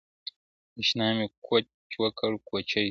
اشنا مي کوچ وکړ کوچي سو!.